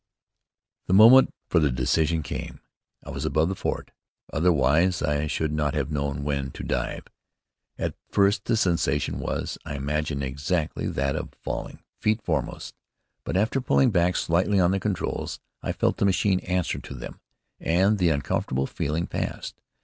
The moment for the decision came. I was above the fort, otherwise I should not have known when to dive. At first the sensation was, I imagine, exactly that of falling, feet foremost; but after pulling back slightly on the controls, I felt the machine answer to them, and the uncomfortable feeling passed.